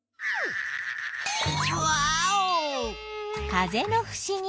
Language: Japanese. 風のふしぎ。